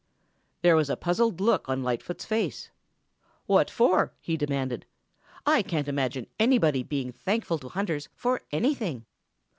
There was a puzzled look on Lightfoot's face. "What for?" he demanded. "I can't imagine anybody being thankful to hunters for anything."